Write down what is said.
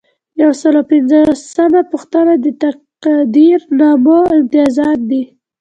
یو سل او پنځلسمه پوښتنه د تقدیرنامو امتیازات دي.